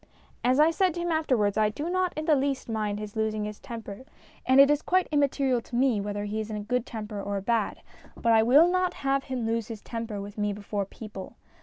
As I said to him afterwards, I do not in the least mind his losing his temper, and it is quite im material to me whether he is in a good temper or a bad, but I will not have him lose his temper with me before people.